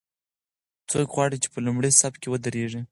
څوک غواړي چې په لومړي صف کې ودریږي؟